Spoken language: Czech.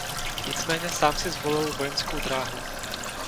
Nicméně sám si zvolil vojenskou dráhu.